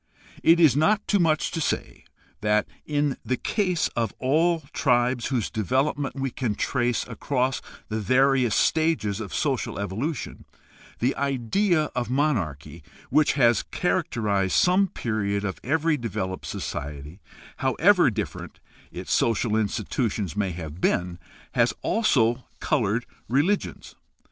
It is not too much to say that, in the case of all tribes whose development we can trace across the various stages of social evolution, the idea of monarchy, which has characterized some period of every developed society, however different its social institutions may have been, has also colored religions.